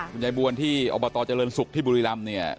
คุณยายบวนที่อบตเจริญศุกร์ที่บุรีรำเนี่ย